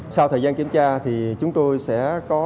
sau thời gian kiểm tra thì chúng tôi sẽ có